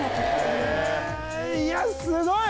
へえいやすごい！